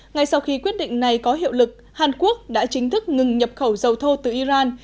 ngay sau khi quyết định này có hiệu lực hàn quốc đã chính thức ngừng nhập khẩu dầu thô từ iran